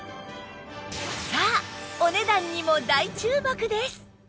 さあお値段にも大注目です